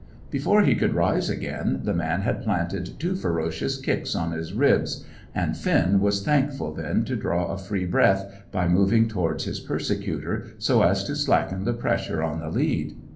Before he could rise again, the man had planted two ferocious kicks on his ribs; and Finn was thankful then to draw a free breath by moving towards his persecutor, so as to slacken the pressure on the lead.